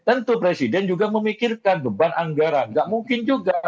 tentu presiden juga memikirkan beban anggaran nggak mungkin juga